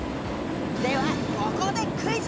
ではここでクイズ！